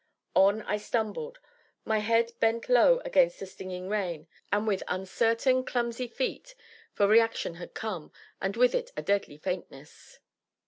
On I stumbled, my head bent low against the stinging rain, and with uncertain, clumsy feet, for reaction had come, and with it a deadly faintness.